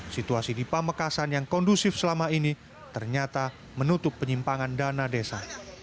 situasi di pamekasan yang kondusif selama ini ternyata menutup penyimpangan dana desa